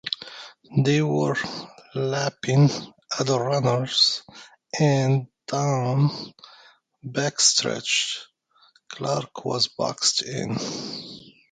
They were lapping other runners and, down the backstretch, Clarke was boxed in.